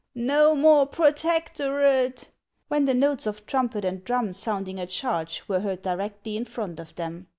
No more protectorate !" when the notes of trumpet and drum sounding a charge were heard directly in front of them.